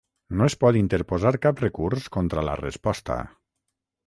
No es pot interposar cap recurs contra la resposta.